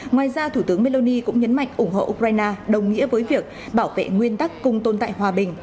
ngoài ra thủ tướng meloni cũng nhấn mạnh ủng hộ ukraine đồng nghĩa với việc bảo vệ nguyên tắc cùng tồn tại hòa bình